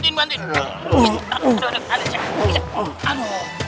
di situ lihat lihat